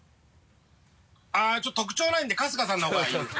あぁちょっと特徴ないんで春日さんの方がいいです。